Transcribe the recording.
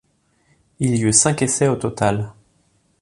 Il y eut cinq essais au total.